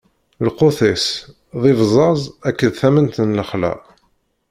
Lqut-is, d ibẓaẓ akked tament n lexla.